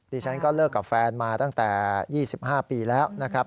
ดิฉันก็เลิกกับแฟนมาตั้งแต่๒๕ปีแล้วนะครับ